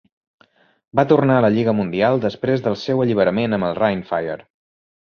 Va tornar a la Lliga Mundial després del seu alliberament amb el Rhein Fire.